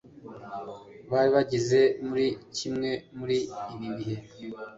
Bari bageze muri kimwe muri ibi bihe.